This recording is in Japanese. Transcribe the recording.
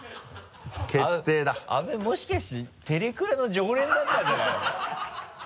もしかしてテレクラの常連だったんじゃない？